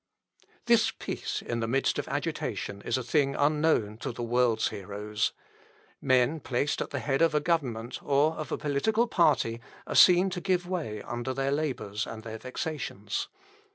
" This peace in the midst of agitation is a thing unknown to the world's heroes. Men placed at the head of a government, or of a political party, are seen to give way under their labours and their vexations.